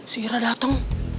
si ira dateng